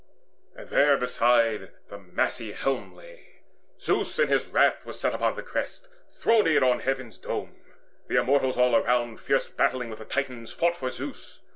And therebeside the massy helmet lay. Zeus in his wrath was set upon the crest Throned on heaven's dome; the Immortals all around Fierce battling with the Titans fought for Zeus.